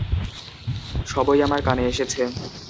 সবই আমার কানে এসেছে।